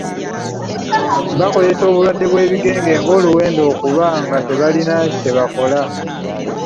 Baakozesezza obulwadde bw'ebigenge nga oluwenda okuba nga tebalina kye bakola.